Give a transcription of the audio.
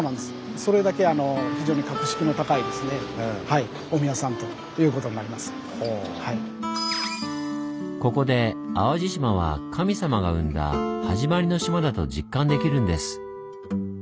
それだけここで淡路島は神様が生んだ「はじまりの島」だと実感できるんです。